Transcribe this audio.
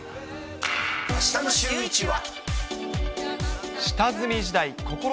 あしたのシューイチは。